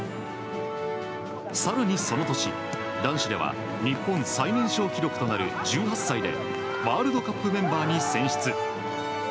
更にその時男子では日本最年少記録となる１８歳でワールドカップメンバーに選出。